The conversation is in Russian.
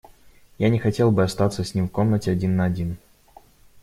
Я не хотел бы остаться с ним в комнате один на один.